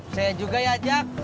saya juga ya jack